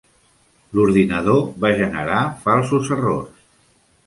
L'ordinador va generar falsos errors.